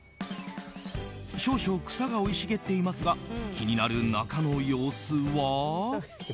少々、草が生い茂っていますが気になる中の様子は。